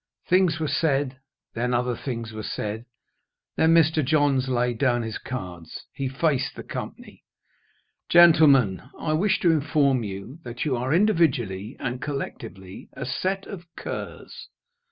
Things were said; then other things were said Then Mr. Johns laid down his cards; he faced the company. "Gentlemen, I wish to inform you that you are, individually and collectively, a set of curs."